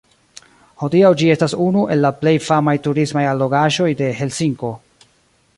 Hodiaŭ ĝi estas unu el la plej famaj turismaj allogaĵoj de Helsinko.